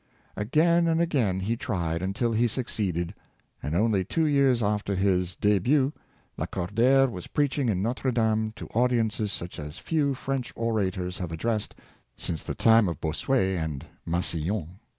" Again and again he tried, until he suc ceeded ; and only two years after his dehut^ Lacordaire was preaching in Notre Dame to audiences such as few French orators have addressed since the time of Bossuet and Masillon.